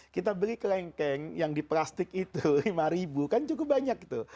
kita beli kelengkeng yang di plastik itu lima ribu kan cukup banyak tuh